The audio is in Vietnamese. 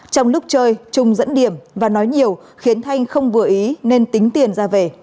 trong lúc chơi trung dẫn điểm và nói nhiều khiến thanh không vừa ý nên tính tiền ra về